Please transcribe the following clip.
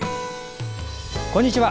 こんにちは。